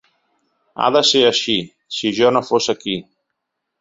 Ha de ser així, si jo no fos aquí.